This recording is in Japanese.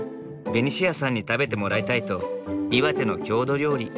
ベニシアさんに食べてもらいたいと岩手の郷土料理